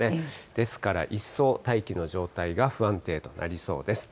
ですから一層、大気の状態が不安定となりそうです。